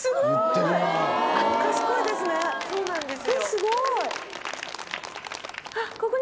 すごーい！